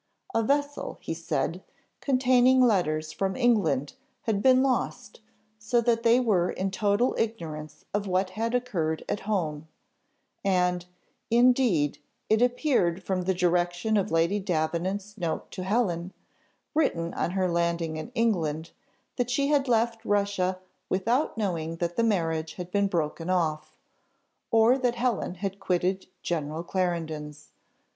A vessel, he said, containing letters from England, had been lost, so that they were in total ignorance of what had occurred at home; and, indeed, it appeared from the direction of Lady Davenant's note to Helen, written on her landing in England, that she had left Russia without knowing that the marriage had been broken off, or that Helen had quitted General Clarendon's.